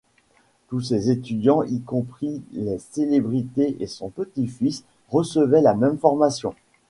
Tous ses étudiants, y compris les célébrités et son petit-fils, recevaient la même formation.